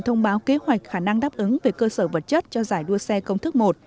thông báo kế hoạch khả năng đáp ứng về cơ sở vật chất cho giải đua xe công thức một